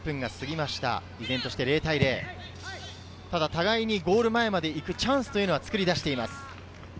互いにゴール前まで行くチャンスは作り出しています。